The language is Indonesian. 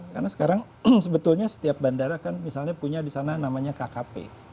karena sekarang sebetulnya setiap bandara kan misalnya punya di sana namanya kkp